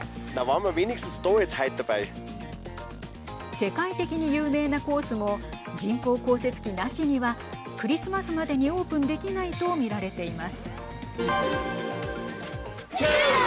世界的に有名なコースも人工降雪機なしにはクリスマスまでにオープンできないと見られています。